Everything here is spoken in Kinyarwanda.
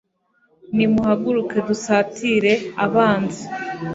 nimuhaguruke dusatire abanzi